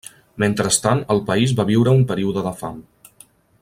Mentrestant el país va viure un període de fam.